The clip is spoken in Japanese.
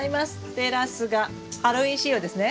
テラスがハロウィーン仕様ですね。